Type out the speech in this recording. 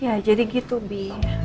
ya jadi gitu bi